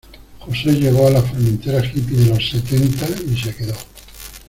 José llegó a la Formentera hippy de los setenta y se quedó.